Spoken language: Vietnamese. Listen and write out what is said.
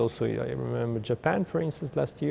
vì vậy điều quan trọng nhất là